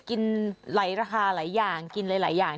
กินหลายราคาหลายอย่างกินหลายอย่าง